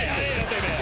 てめえ。